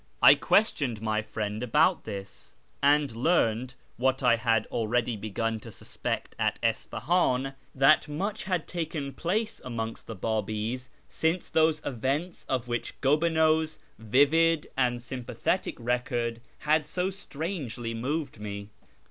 I ques tioned my friend about this, and learned (what I had already begun to suspect at Isfahan) that much had taken place amongst the Babis since those events of which Gobineau's vivid and sympathetic record had so strangely moved me.